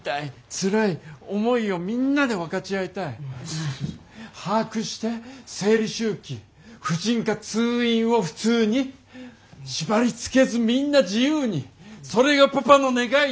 ツラい思いをみんなで分かち合いたい把握して生理周期婦人科通院を普通に縛り付けずみんな自由にそれがパパの願い